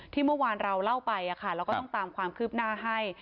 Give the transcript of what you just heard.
เมื่อวานเราเล่าไปเราก็ต้องตามความคืบหน้าให้